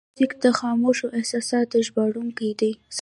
موزیک د خاموشو احساساتو ژباړونکی دی.